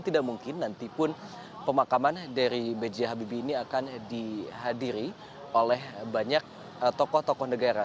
dan tidak mungkin nantipun pemakaman dari bghb ini akan dihadiri oleh banyak tokoh tokoh negara